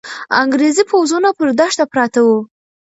انګریزي پوځونه پر دښته پراته وو.